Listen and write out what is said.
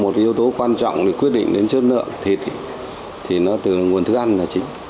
một yếu tố quan trọng để quyết định đến chất lượng thịt thì nó từ nguồn thức ăn là chính